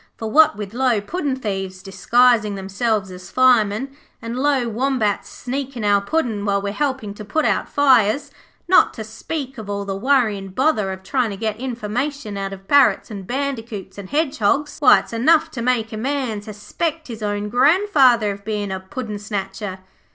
For what with low puddin' thieves disguising themselves as firemen, and low Wombats sneakin' our Puddin' while we're helpin' to put out fires, not to speak of all the worry and bother of tryin' to get information out of parrots and bandicoots an' hedgehogs, why, it's enough to make a man suspect his own grandfather of bein' a puddin' snatcher.'